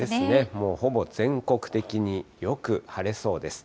もうほぼ全国的によく晴れそうです。